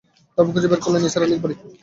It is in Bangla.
তারপর খুঁজে বের করলেন নিসার আলির বাড়ি।